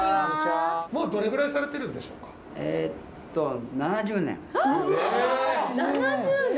もうどれぐらいされてるんでしょうか？